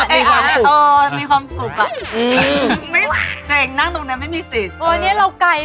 เจ๊เองนั่งตรงนั้นไม่มีสิทธิ์